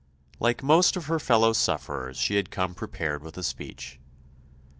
Like most of her fellow sufferers she had come prepared with a speech.